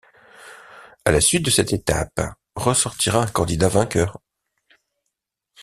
À la suite de cette étape ressortira un candidat vainqueur.